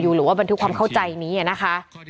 หรือว่าบันทึกความเข้าใจนี้นะคะ